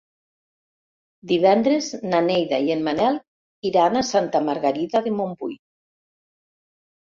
Divendres na Neida i en Manel iran a Santa Margarida de Montbui.